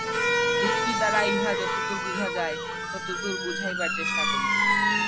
যুক্তি দ্বারা ইহা যতদূর বুঝানো যায়, ততদূর বুঝাইবার চেষ্টা করিব।